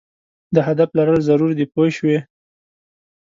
د هدف لرل ضرور دي پوه شوې!.